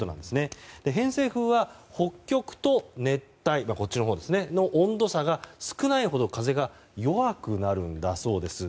偏西風は北極と熱帯の温度差が少ないほど風が弱くなるんだそうです。